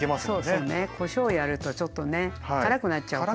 こしょうやるとちょっとね辛くなっちゃうから。